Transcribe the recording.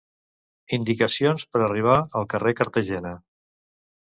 Indicacions per arribar al carrer Cartagena.